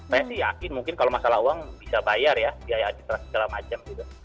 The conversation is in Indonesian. saya sih yakin mungkin kalau masalah uang bisa bayar ya biaya administrasi segala macam gitu